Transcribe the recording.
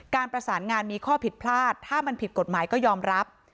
การประสานงานมีข้อผิดพลาดถ้ามันผิดกฎหมายก็ยอมรับ